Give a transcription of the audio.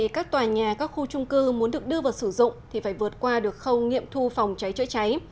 các tòa nhà các khu trung cư muốn được đưa vào sử dụng thì phải vượt qua được khâu nghiệm thu phòng cháy chữa cháy